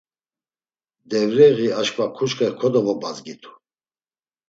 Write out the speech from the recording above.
Devreği aşǩva ǩuçxe kodovobadzgitu.